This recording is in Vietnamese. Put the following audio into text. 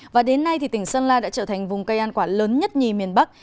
và đến nay tỉnh sơn la đã trở thành vùng cây ăn quả lớn nhất nhì miền bắc